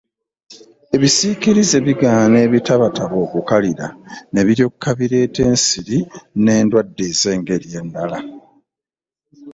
Ebisiikirize bigaana ebitabataba okukalira ne biryoka bireeta ensiri n'endwadde ez'engeri endala.